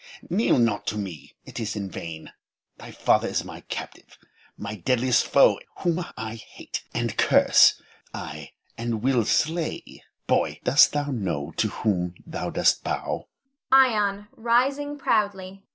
Moh'd. Kneel not to me, it is in vain. Thy father is my captive, my deadliest foe, whom I hate, and curse, ay, and will slay. Boy, dost thou know to whom thou dost bow?